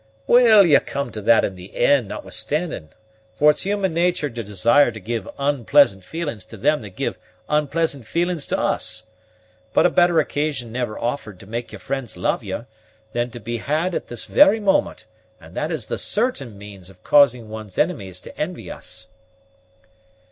"Well, ye'll come to that in the end, notwithstanding; for it's human nature to desire to give unpleasant feelings to them that give unpleasant feelings to us. But a better occasion never offered to make your friends love you, than is to be had at this very moment, and that is the certain means of causing one's enemies to envy us."